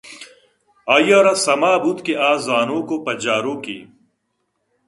آئی ءَ را سما بوت کہ آ زانوک ءُپجّاروکے